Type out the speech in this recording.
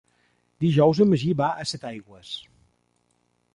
Dijous en Magí va a Setaigües.